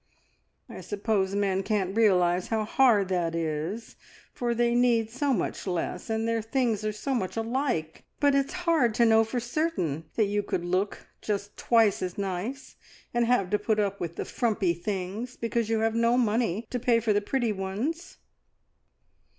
I suppose men can't realise how hard that is, for they need so much less, and their things are so much alike; but it's hard to know for certain that you could look just twice as nice, and have to put up with the frumpy things, because you have no money to pay for the pretty ones!"